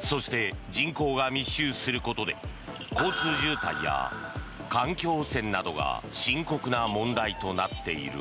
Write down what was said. そして人口が密集することで交通渋滞や環境汚染などが深刻な問題となっている。